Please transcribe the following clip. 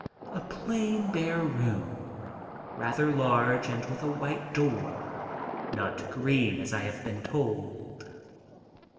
A plain, bare room, rather large and with a white door, not green, as I have been told.